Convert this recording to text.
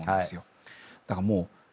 だからもう。